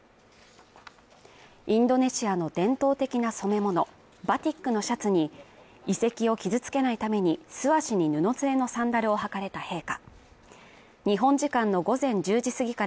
インドネシアの伝統的な染物バティックのシャツに遺跡を傷つけないために、素足に布製のサンダルを履かれた陛下。